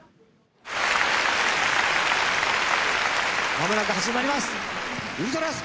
間もなく始まります。